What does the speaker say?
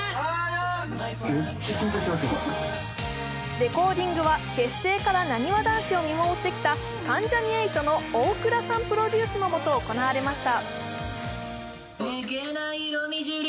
レコーディングは結成からなにわ男子を見守ってきた関ジャニ∞の大倉さんプロデュースのもと行われました。